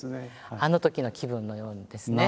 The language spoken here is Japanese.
あのときの気分のようにですね。